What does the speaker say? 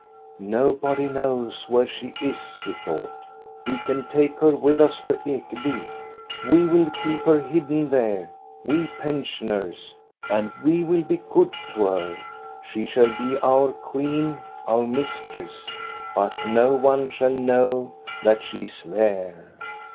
" No body knows where she is," he thought ;we can take her with us to Ekeby. We will keep her hidden there, we pensioners, and we will be good to her. She shall be our queen, our mistress, but no one shall know that she is there.